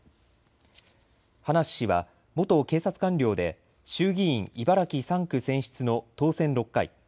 葉梨氏は元警察官僚で衆議院茨城３区選出の当選６回。